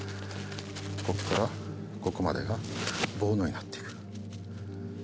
ここからここまでが棒のようになって来る。